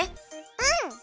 うん！